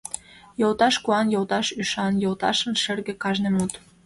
Йолташ — куан, Йолташ — ӱшан, Йолташын шерге кажне мут.